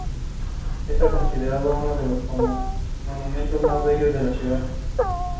Russia also has longstanding concerns about plans to expand the North Atlantic Treaty Organisation.